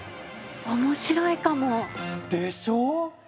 面白いかも。でしょ。